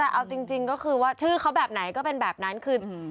แต่เอาจริงก็คือว่าชื่อเขาแบบไหนก็เป็นแบบนั้นคือ